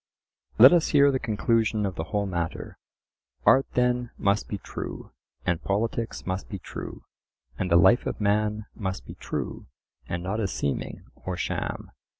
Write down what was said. "Let us hear the conclusion of the whole matter:" Art then must be true, and politics must be true, and the life of man must be true and not a seeming or sham.